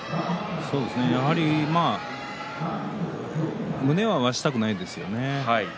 やはり胸を合わせたくないですよね。